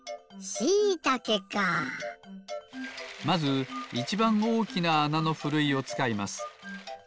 まずいちばんおおきなあなのふるいをつかいます。